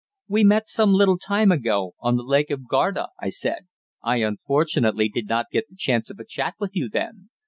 "We met some little time ago on the Lake of Garda," I said. "I, unfortunately, did not get the chance of a chat with you then.